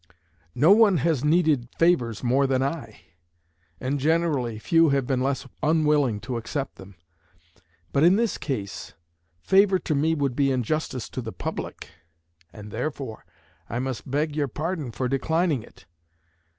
No one has needed favors more than I, and generally few have been less unwilling to accept them; but in this case favor to me would be injustice to the public, and therefore I must beg your pardon for declining it.